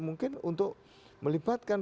mungkin untuk melibatkan